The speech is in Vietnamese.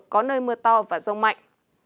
có nơi mưa to và rông mạnh